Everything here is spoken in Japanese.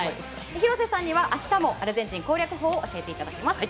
廣瀬さんには明日もアルゼンチン攻略法を教えていただきます。